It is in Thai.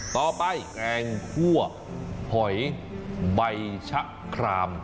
แกงคั่วหอยใบชะคราม